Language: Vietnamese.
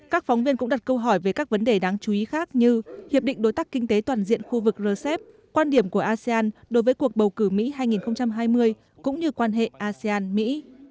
các phóng viên cũng đặt câu hỏi về các vấn đề đáng chú ý khác như hiệp định đối tác kinh tế toàn diện khu vực rcep quan điểm của asean đối với cuộc bầu cử mỹ hai nghìn hai mươi cũng như quan hệ asean mỹ